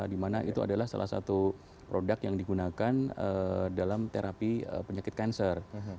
dimana itu adalah salah satu produk yang digunakan dalam terapi penyakit kanser